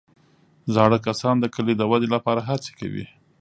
زاړه کسان د کلي د ودې لپاره هڅې کوي